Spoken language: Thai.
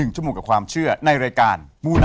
ชั่วโมงกับความเชื่อในรายการมูไน